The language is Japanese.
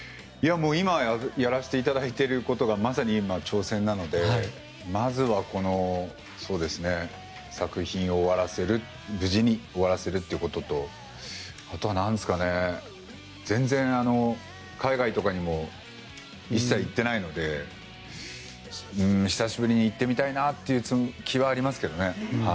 今やらせていただいていることがまさに挑戦なのでまずはこの作品を終わらせる無事に終わらせるということと全然、海外とかにも一切行っていないので久しぶりに行ってみたいなという気はありますけどね。